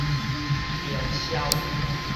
行銷